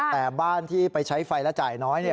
แต่บ้านที่ไปใช้ไฟและจ่ายน้อย